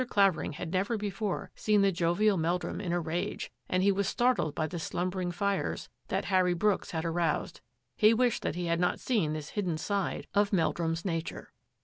Clavering had never before seen the jovial Meldrum in a rage, and he was startled by the slumbering fires that Harry Brooks had aroused. He wished that he had not seen this hidden side of Meldrum's na ture.